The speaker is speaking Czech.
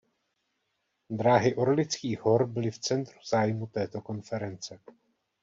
Dráhy Orlických hor byly v centru zájmu této konference.